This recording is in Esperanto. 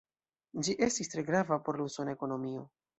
Ĝi estis tre grava por la usona ekonomio.